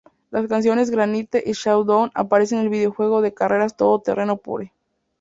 Las canciones "Granite" y "Showdown" aparecen en el videojuego de carreras todo terreno Pure.